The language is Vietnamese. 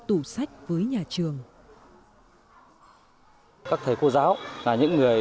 tủ sách với nhà trường